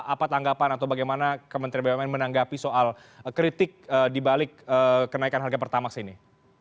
apa tanggapan atau bagaimana kementerian bumn menanggapi soal kritik dibalik kenaikan harga pertamax ini